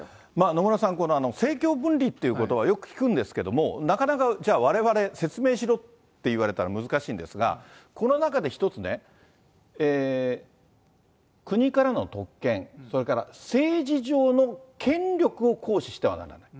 野村さん、これ、政教分離っていうことはよく聞くんですけれども、なかなかじゃあわれわれ、説明しろって言われたら難しいんですが、この中で一つね、国からの特権、それから政治上の権力を行使してはならない。